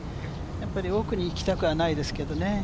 やっぱり奥にいきたくはないですけどね。